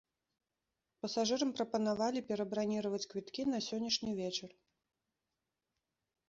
Пасажырам прапанавалі перабраніраваць квіткі на сённяшні вечар.